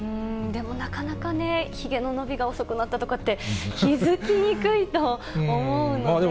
でもなかなかね、ひげの伸びが遅くなったとかって気付きにくいと思うので。